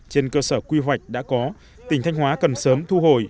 trên cơ sở quy hoạch đã có tỉnh thanh hóa cần sớm thu hồi